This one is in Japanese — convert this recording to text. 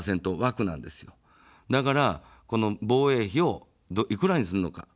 だから、防衛費をいくらにするのか。